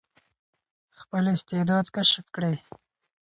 خپل استعداد کشف کړئ.